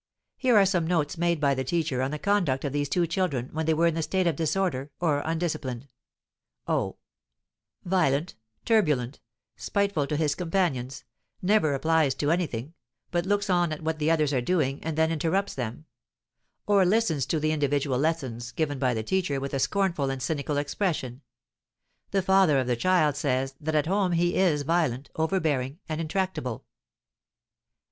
Here are some notes made by the teacher on the conduct of these two children when they were in the state of disorder, or undisciplined: O: violent, turbulent, spiteful to his companions, never applies to anything, but looks on at what the others are doing and then interrupts them; or listens to the individual lessons given by the teacher with a scornful and cynical expression. The father of the child says that at home he is violent, overbearing, and intractable.